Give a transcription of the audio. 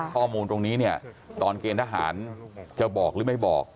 ข้อมูลตรงนี้เนี่ยตอนเกณฑ์ทหารจะบอกหรือไม่บอก